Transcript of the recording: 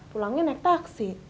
pulangnya naik taksi